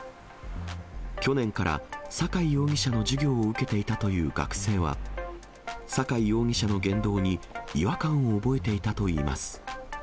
去年から坂井容疑者の授業を受けていたという学生は坂井容疑者の言動に、違和感を覚えていたといいます。